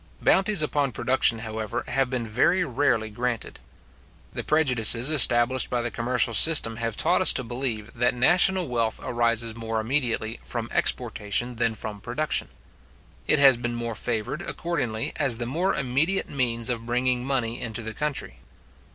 Bounties upon production, however, have been very rarely granted. The prejudices established by the commercial system have taught us to believe, that national wealth arises more immediately from exportation than from production. It has been more favoured, accordingly, as the more immediate means of bringing money into the country.